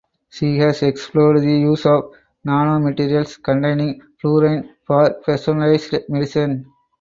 She has explored the use of nanomaterials containing fluorine for personalised medicine.